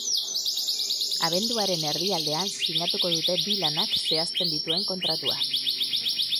Abenduaren erdialdean sinatuko dute bi lanak zehazten dituen kontratua.